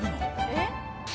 えっ？